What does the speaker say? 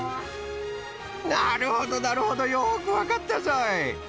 なるほどなるほどよくわかったぞい！